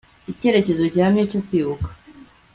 Icyerekezo gihamye cyo kwibuka